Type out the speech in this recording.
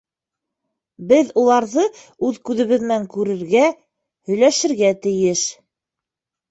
Беҙ уларҙы үҙ күҙебеҙ менән күрергә, һөйләшергә тейеш.